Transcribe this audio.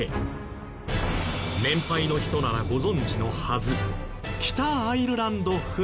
年配の人ならご存じのはず。